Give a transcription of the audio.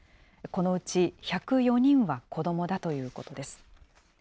このうち１０４人は子どもだということです。